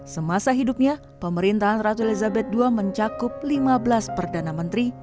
semasa hidupnya pemerintahan ratu elizabeth ii mencakup lima belas perdana menteri